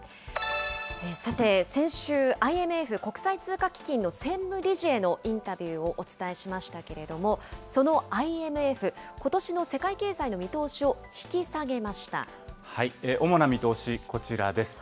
さて、先週、ＩＭＦ・国際通貨基金の専務理事へのインタビューをお伝えしましたけれども、そのＩＭＦ、ことしの世界経済の見主な見通し、こちらです。